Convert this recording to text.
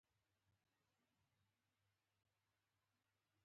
د حیوي کارونو د اجراکولو وړتیا لري.